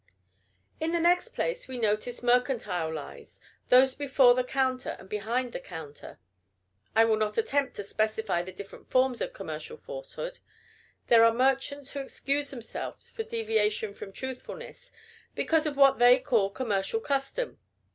In the next place we notice mercantile lies, those before the counter and behind the counter. I will not attempt to specify the different forms of commercial falsehood. There are merchants who excuse themselves for deviation from truthfulness because of what they call commercial custom.